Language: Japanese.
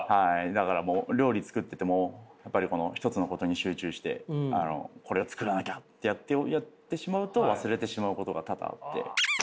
だからもう料理作っててもやっぱりこの一つのことに集中してこれを作らなきゃってやってしまうと忘れてしまうことが多々あって。